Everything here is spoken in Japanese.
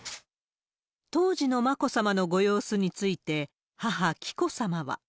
当時の眞子さまのご様子について、母、紀子さまは。